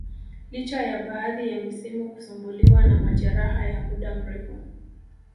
licha ya baadhi ya misimu kusumbuliwa na majeraha ya muda mrefu